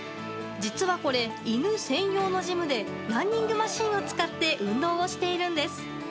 実はこれ、犬専用のジムでランニングマシンを使って運動をしているんです。